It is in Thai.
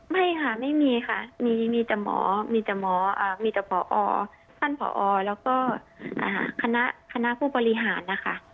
ไม่ค่ะไม่มีค่ะมีแต่หมอมีแต่หมอมีแต่พอท่านผอแล้วก็คณะผู้บริหารนะคะ